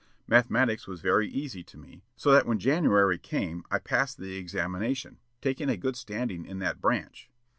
Mathematics was very easy to me, so that when January came I passed the examination, taking a good standing in that branch.